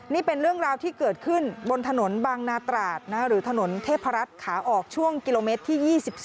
นี่เป็นเรื่องราวที่เกิดขึ้นบนถนนบางนาตราดหรือถนนเทพรัฐขาออกช่วงกิโลเมตรที่๒๔